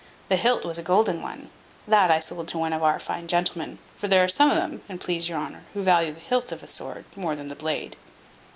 The hilt was a golden one. That I sold to one of our fine gentlemen; for there are some of them, an't please your honour, who value the hilt of a sword more than the blade."